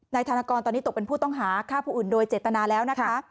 ธนกรตอนนี้ตกเป็นผู้ต้องหาฆ่าผู้อื่นโดยเจตนาแล้วนะคะ